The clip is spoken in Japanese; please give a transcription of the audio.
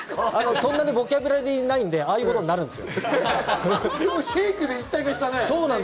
そんなにボキャブラリーないので、ああいうことになるんですよ。